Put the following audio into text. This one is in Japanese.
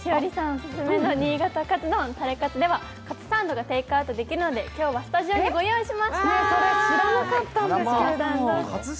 オススメの新潟カツ丼タレカツでは、カツサンドがテイクアウトできるので、今日はスタジオにご用意しました。